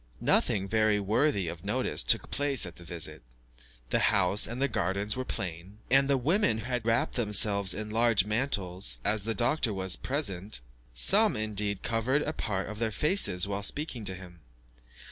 Nothing very worthy of notice took place at this visit. The house and garden were plain, and the women had wrapped themselves in large mantles, as the doctor was present, some, indeed, covered a part of their faces while speaking with him.